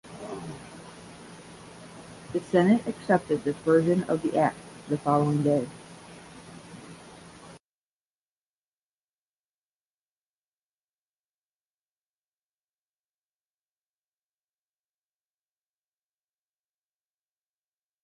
The Senate accepted this version of the Act the following day.